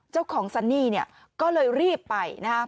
เจ้าของซันนี่เนี่ยก็เลยรีบไปนะฮะ